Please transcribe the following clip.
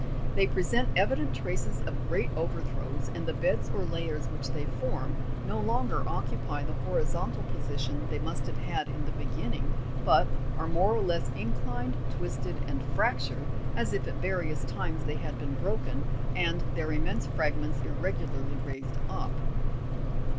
They present evident traces of great overthrows, and the beds or layers which they form no longer occupy the horizontal position they must have had in the begin ning, but are more or less inclined, twisted and fractured, as if at various times they had been broken and their immense fragments irregularly raised up.